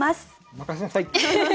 任せなさい！